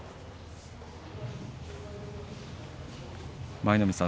舞の海さん